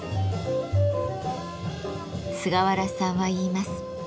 菅原さんは言います。